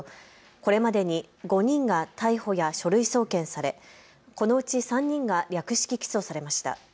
これまでに５人が逮捕や書類送検されこのうち３人が略式起訴されました。